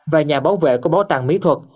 và nhà bảo vệ của bảo tàng mỹ thuật